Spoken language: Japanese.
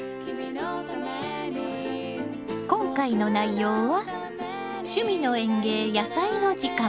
今回の内容は「趣味の園芸やさいの時間」